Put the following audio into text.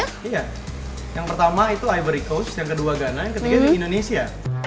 iya yang pertama itu hybri coast yang kedua ghana yang ketiga di indonesia